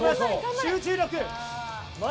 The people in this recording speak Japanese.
集中力。